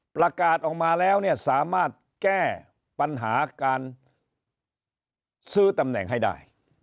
ประกาศออกมาแล้วเนี่ยสามารถแก้ปัญหาการซื้อตำแหน่งให้ได้